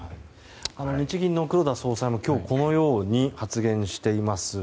日銀の黒田総裁も今日このように発言しています。